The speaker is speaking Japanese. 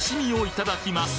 いただきます。